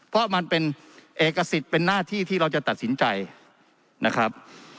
เพราะมันเป็นเอกสิทธิ์เป็นหน้าที่ที่เราจะตัดสินใจนะครับ